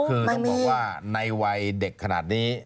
คือต้องบอกว่าในวัยเด็กขนาดนี้